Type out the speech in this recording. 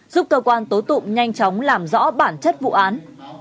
giúp cơ quan tố tụng nhanh chóng làm rõ bản chất vụ án